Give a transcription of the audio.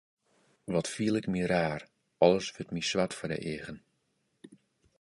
Wat fiel ik my raar, alles wurdt my swart foar de eagen.